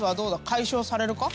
解消されるか？